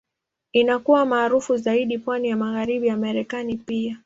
Inakuwa maarufu zaidi pwani ya Magharibi ya Marekani pia.